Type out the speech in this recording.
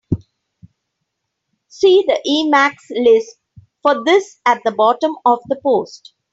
See the Emacs lisp for this at the bottom of the post.